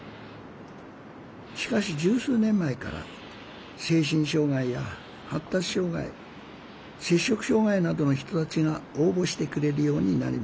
しかし十数年前から精神障害や発達障害摂食障害などの人たちが応募してくれるようになりました。